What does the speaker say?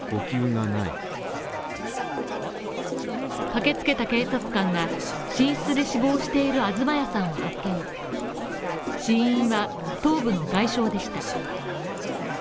駆けつけた警察官が寝室で死亡している東谷さんを発見死因は、頭部の外傷でした。